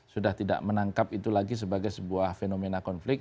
sudah tidak menangkap itu lagi sebagai sebuah fenomena konflik